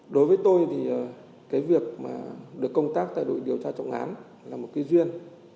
đối với tôi thì cái việc mà được công tác tại đội điều tra trọng án là một cái duyên